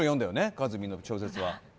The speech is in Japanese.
かずみんの小説は。